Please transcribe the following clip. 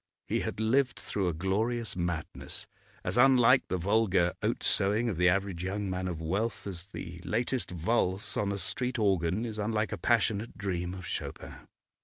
He had lived through a glorious madness, as unlike the vulgar oat sowing of the average young man of wealth as the latest valse on a street organ is unlike a passionate dream of Chopin.